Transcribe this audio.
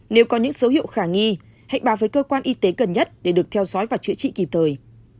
nếu có những số hiệu khả nghi hãy báo với cơ quan y tế gần nhất để được theo dõi và chữa trị kịp thời